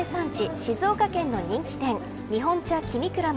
静岡県の人気店日本茶きみくらも